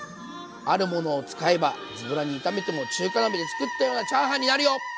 あるものを使えばずぼらに炒めても中華鍋で作ったようなチャーハンになるよ！